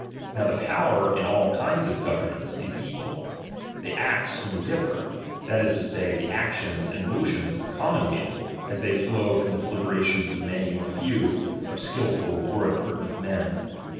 Now the power in all kinds of government is equal ; the acts only differ, that is to say, the actions and mottojts of a commonweal, as they flow from the deUberations of many or few, of skilful or imperti nent men.